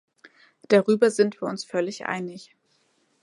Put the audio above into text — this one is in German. Darüber sind wir uns völlig einig.